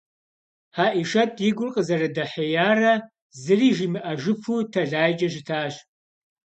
Хьэӏишэт и гур къызэрыдэхьеярэ зыри жимыӀэжыфу тэлайкӀэ щытащ.